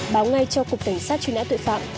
báo ngay cho cục cảnh sát truy nã tội phạm